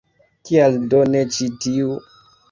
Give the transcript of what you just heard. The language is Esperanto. Kial do ne ĉi tiu?